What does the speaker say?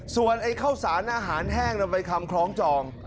ส่วนข้าวสารอาหารแห้งมันเป็นคำคล้องจอง